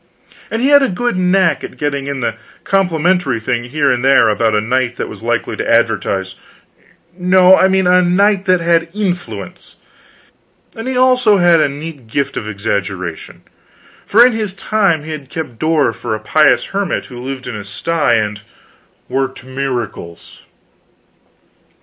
And he had a good knack at getting in the complimentary thing here and there about a knight that was likely to advertise no, I mean a knight that had influence; and he also had a neat gift of exaggeration, for in his time he had kept door for a pious hermit who lived in a sty and worked miracles.